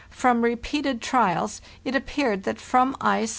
From repeated trials it appeared that from icé.